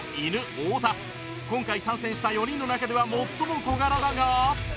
今回参戦した４人の中では最も小柄だが